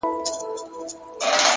بېغمه” غمه د هغې” هغه چي بيا ياديږي